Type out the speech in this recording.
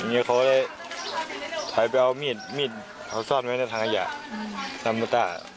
อย่างงี้เขาก็เลยถอยไปเอามีดมีดเขาซ่อนไว้ในทางอาหยะทำประตา